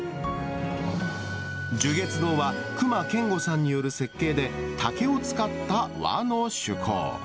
寿月堂は、隈研吾さんによる設計で竹を使った和の趣向。